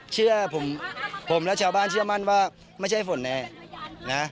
เชื่อผมผมและชาวบ้านเชื่อมั่นว่าไม่ใช่ฝนแน่นะ